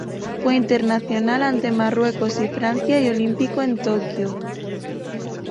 Fue internacional ante Marruecos y Francia y Olímpico en Tokio.